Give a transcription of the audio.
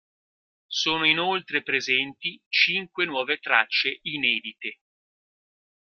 Sono inoltre presenti cinque nuove tracce inedite.